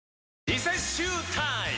リセッシュータイム！